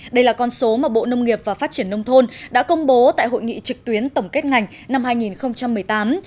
đây là con số mà bộ nông nghiệp và phát triển nông thôn đã công bố tại hội nghị trực tuyến tổng kết ngành năm hai nghìn một mươi tám